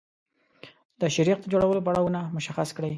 د شیریخ د جوړولو پړاوونه مشخص کړئ.